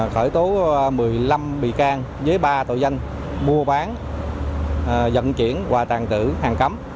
khởi tố một mươi năm bị can với ba tội danh mua bán dẫn chuyển và tàn trữ hàng cấm